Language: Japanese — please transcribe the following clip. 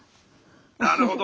なるほど。